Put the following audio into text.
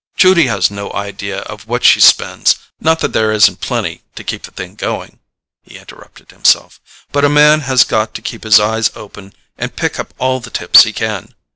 "Judy has no idea of what she spends—not that there isn't plenty to keep the thing going," he interrupted himself, "but a man has got to keep his eyes open and pick up all the tips he can.